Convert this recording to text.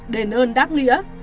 đền ơn đáp nghĩa